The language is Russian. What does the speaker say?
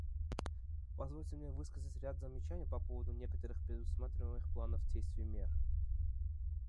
Позвольте мне высказать ряд замечаний по поводу некоторых предусматриваемых планом действий мер.